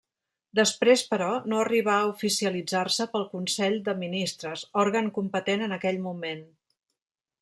Després però, no arribà a oficialitzar-se pel Consell de Ministres, òrgan competent en aquell moment.